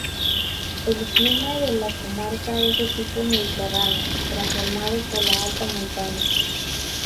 El clima de la comarca es de tipo mediterráneo, transformado por la alta montaña.